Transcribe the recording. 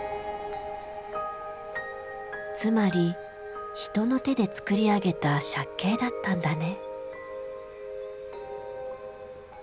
つまり人の手で作り上げた借景だったんだね。